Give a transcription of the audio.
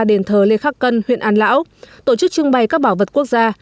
đền thờ lê khắc cân huyện an lão tổ chức trưng bày các bảo vật quốc gia